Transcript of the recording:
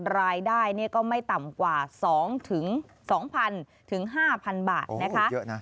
รายได้ก็ไม่ต่ำกว่า๒๒๐๐๐๕๐๐๐บาทนะคะ